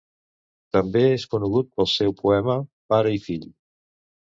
També és conegut pel seu poema "Pare i fill".